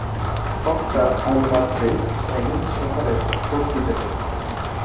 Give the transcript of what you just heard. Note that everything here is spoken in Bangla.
বক্তা আজ রাত্রে স্যাগিন শহরে বক্তৃতা করিবেন।